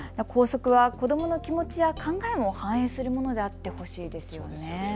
校則は子どもの気持ちや考えも反映するものであってほしいですよね。